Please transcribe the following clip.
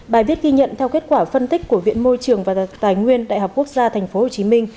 bài viết ghi nhận theo kết quả phân tích của viện môi trường và tài nguyên đại học quốc gia tp hcm